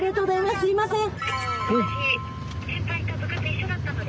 すいません。